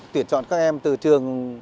tuyển chọn các em từ trường